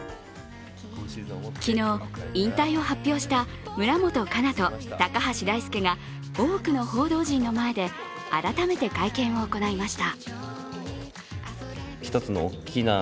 昨日、引退を発表した村元哉中と高橋大輔が多くの報道陣の前で改めて会見を行いました。